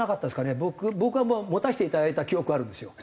僕は持たせていただいた記憶はあるんですよ。